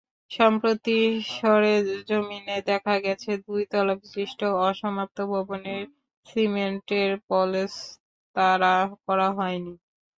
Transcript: সম্প্রতি সরেজমিনে দেখা গেছে, দুই তলা বিশিষ্ট অসমাপ্ত ভবনের সিমেন্টের পলেস্তারা করা হয়নি।